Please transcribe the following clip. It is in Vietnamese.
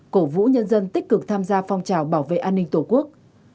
cổ vũ nhân dân tích cực tham gia phong trào bảo vệ an ninh tổ quốc